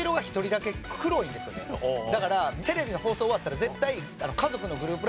だからテレビの放送終わったら絶対家族のグループ